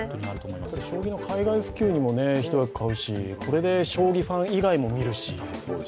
将棋の海外普及にも一役買うし、将棋ファン以外も見るし。